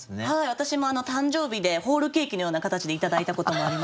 私も誕生日でホールケーキのような形で頂いたこともありますし。